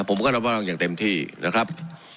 ผมก็ระวังอย่างเต็มที่นะครับ